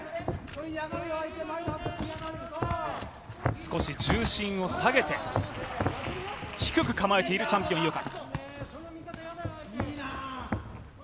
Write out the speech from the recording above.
少し重心を下げて低く構えているチャンピオン・井岡。